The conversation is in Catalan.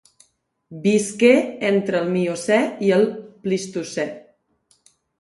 Visqué entre el Miocè i el Plistocè.